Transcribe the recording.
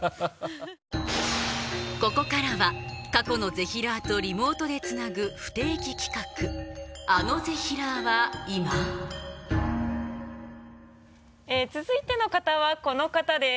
ここからは過去のぜひらーとリモートでつなぐ不定期企画続いての方はこの方です。